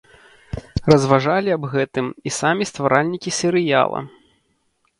Разважалі аб гэтым і самі стваральнікі серыяла.